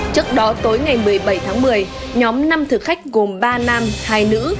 trước đó tối ngày một mươi bảy tháng một mươi nhóm năm thực khách gồm ba nam hai nữ